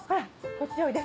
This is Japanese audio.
こっちおいで。